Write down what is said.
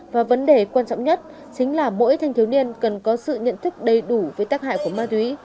và vấn đề quan trọng nhất chính là mỗi thanh thiếu niên cần có sự nhận thức đầy đủ với tác hại của ma túy